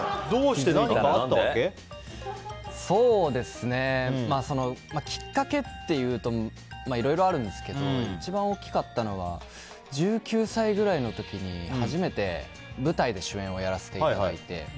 そうなんですよ。きっかけというといろいろあるんですけど一番大きかったのは１９歳ぐらいの時に初めて舞台で主演をやらせていただいて。